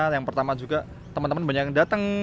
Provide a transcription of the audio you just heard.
yang pertama juga teman teman banyak yang datang